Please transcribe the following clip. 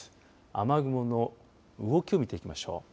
雨雲の動きを見ていきましょう。